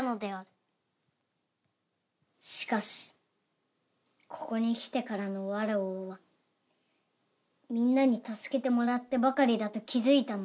しかしここに来てからのわらわはみんなに助けてもらってばかりだと気づいたのだ。